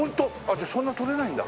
じゃあそんなに取れないんだ。